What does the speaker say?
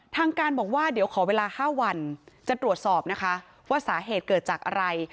ทางการบอกว่าเดี๋ยวขอเวลา๕วันจะตรวจสอบนะคะว่าสาเหตุเกิดจากอะไร